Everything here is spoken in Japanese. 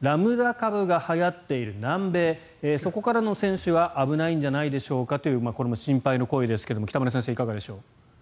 ラムダ株が流行っている南米そこからの選手は危ないんじゃないんでしょうかというこれも心配の声ですが北村先生、いかがでしょう。